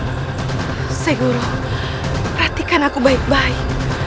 tersegur perhatikan aku baik baik